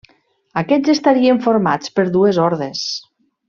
Aquests estarien formats per dues hordes.